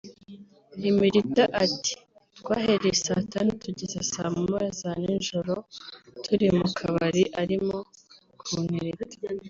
Emeritha ati” Twahereye saa tanu tugeza saa moya za nijoro turi mu kabari arimo kuntereta